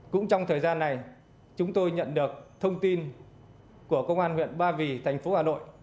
cũng trong thời gian này chúng tôi nhận được thông tin của công an huyện ba vì thành phố hà nội